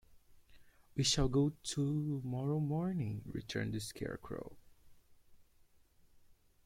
"We shall go tomorrow morning," returned the Scarecrow.